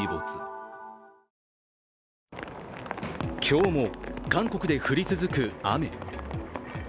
今日も韓国で降り続く雨。